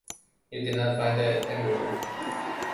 You did not find that everywhere.